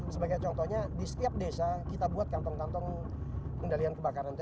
sebagai contohnya di setiap desa kita buat kantong kantong pengendalian kebakaran